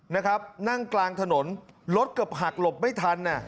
นั่งกลางถนนรถกระบหักหลบไม่ทัน